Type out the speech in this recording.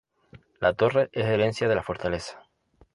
La torre es herencia de la fortaleza.